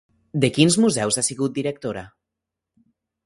De quins museus ha sigut directora?